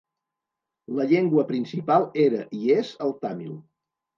La llengua principal era i és el tàmil.